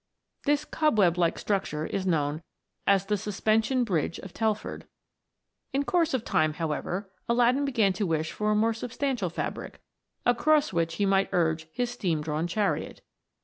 This cobweb like structure is known as the Suspension Bridge of Telford. In course of time, however, Aladdin began to wish for a more substantial fabric, across which he might urge his steam drawn chariot.